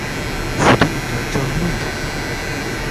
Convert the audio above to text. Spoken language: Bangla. শুধু এটার জন্যেই?